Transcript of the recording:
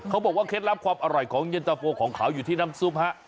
เค้าบอกว่าเคล็ดรับความอร่อยของเย็นตะโฟของขาวอยู่ที่น้ำซุปฮะ